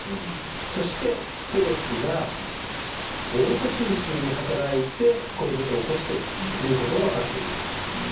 そしてストレスがおう吐中枢に働いてこういうことを起こしてるということが分かっています。